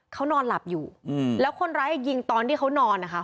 เขานอนหลับอยู่แล้วคนร้ายยิงตอนที่เขานอนนะคะ